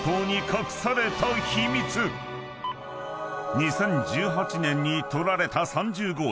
［２０１８年に撮られた３０号棟］